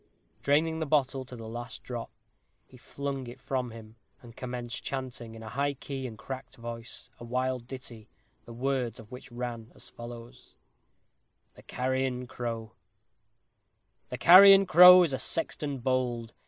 Draining the bottle to the last drop, he flung it from him, and commenced chanting, in a high key and cracked voice, a wild ditty, the words of which ran as follow: THE CARRION CROW The Carrion Crow is a sexton bold.